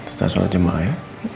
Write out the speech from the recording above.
kita sholat jemaah ya